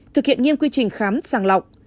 thực hiện nghiêm quy trình khám sàng lọc